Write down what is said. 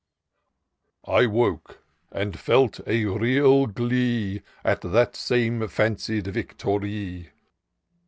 I 'woke, and felt a real glee At the same fancied victory.